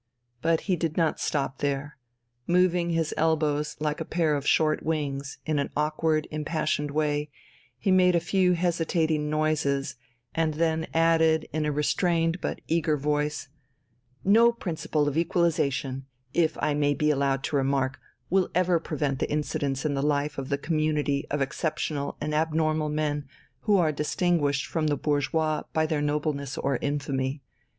But he did not stop there: moving his elbows like a pair of short wings, in an awkward, impassioned way, he made a few hesitating noises, and then added in a restrained but eager voice: "No principle of equalization, if I may be allowed to remark, will ever prevent the incidence in the life of the community of exceptional and abnormal men who are distinguished from the bourgeois by their nobleness or infamy.